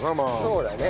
そうだね。